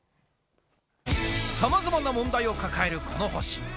さまざまな問題を抱えるこの星。